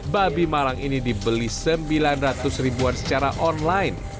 babi malang ini dibeli sembilan ratus ribuan secara online